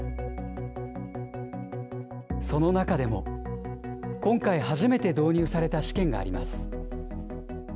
その中でも、今回初めて導入された試験があります。